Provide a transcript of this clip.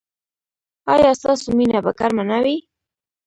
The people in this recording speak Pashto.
ایا ستاسو مینه به ګرمه نه وي؟